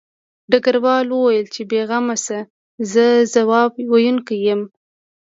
ډګروال وویل چې بې غمه شه زه ځواب ویونکی یم